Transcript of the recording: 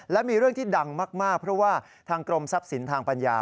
และมีเรื่องที่ดังมากเพราะว่าทางกรมทรัพย์สินทางปัญญา